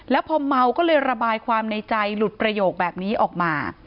แล้วพอเมาก็เลยระบายความในใจหลุดประโยคแบบนี้ออกมา